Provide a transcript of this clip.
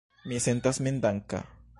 Mi sentas min danka.